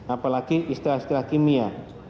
apalagi istilah istilah kimia